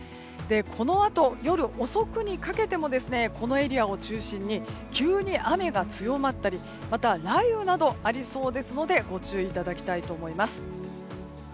このあと、夜遅くにかけてもこのエリアを中心に急に雨が強まったりまた、雷雨などありそうですのでご注意いただきたいと思います。